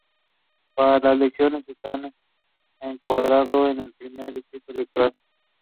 The race is scheduled to take place each year in January.